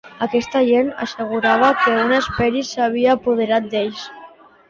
Aquesta gent assegurava que un esperit s'havia apoderat d'ells.